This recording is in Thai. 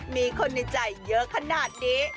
มีคนในใจเยอะขนาดนี้